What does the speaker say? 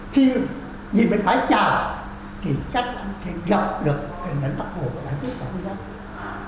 khi nhìn phải chào thì các anh sẽ gặp được hình ảnh bắc hồ và đại tướng võ nguyên giáp